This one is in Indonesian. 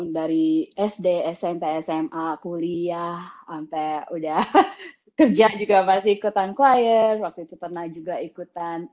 dari sd smp sma kuliah sampai udah kerja juga pasti ikutan choir waktu itu pernah juga ikutan